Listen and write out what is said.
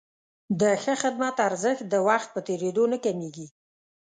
د ښه خدمت ارزښت د وخت په تېرېدو نه کمېږي.